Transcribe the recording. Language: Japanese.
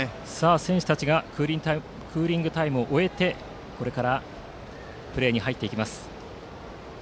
選手たちがクーリングタイムを終えてこれからプレーに入っていきます。